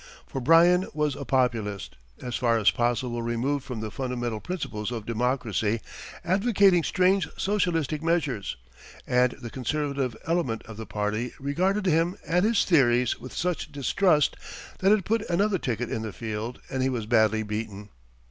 For Bryan was a Populist, as far as possible removed from the fundamental principles of Democracy, advocating strange socialistic measures; and the conservative element of the party regarded him and his theories with such distrust that it put another ticket in the field, and he was badly beaten.